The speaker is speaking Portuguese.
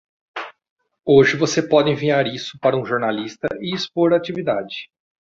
Hoje você pode enviar isso para um jornalista e expor a atividade.